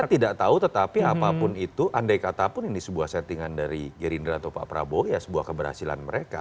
saya tidak tahu tetapi apapun itu andai katapun ini sebuah settingan dari gerindra atau pak prabowo ya sebuah keberhasilan mereka